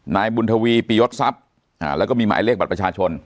นายบุญทวีปียศทรัพย์แล้วก็มีหมายเลขบัตรประชาชน